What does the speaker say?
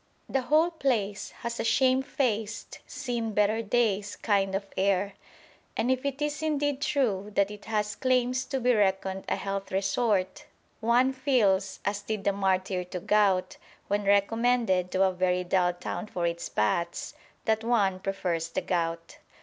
The whole place has a shamefaced, seen better days kind of air; and if it is indeed true that it has claims to be reckoned a health resort, one feels, as did the martyr to gout, when recommended to a very dull town for its baths, that "one prefers the gout."